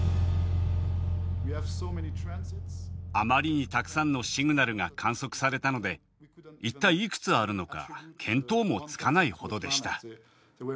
あまりにたくさんのシグナルが観測されたので一体いくつあるのか見当もつかないほどでした。